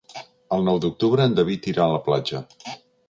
El nou d'octubre en David irà a la platja.